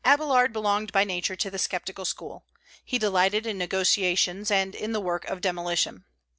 Abélard belonged by nature to the sceptical school. He delighted in negations, and in the work of demolition.